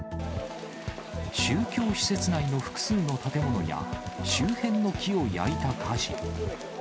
宗教施設内の複数の建物や、周辺の木を焼いた火事。